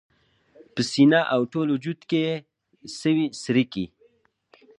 په سینه او ټول وجود کي یې سوې څړیکي